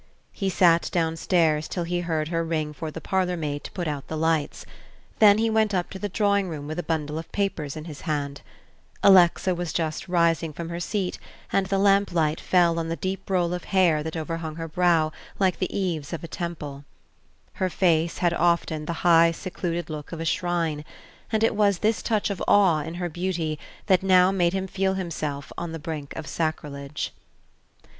He sat downstairs till he heard her ring for the parlor maid to put out the lights; then he went up to the drawing room with a bundle of papers in his hand. Alexa was just rising from her seat and the lamplight fell on the deep roll of hair that overhung her brow like the eaves of a temple. Her face had often the high secluded look of a shrine; and it was this touch of awe in her beauty that now made him feel himself on the brink of sacrilege.